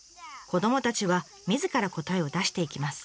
子どもたちはみずから答えを出していきます。